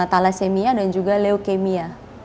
tala semia dan juga leukemia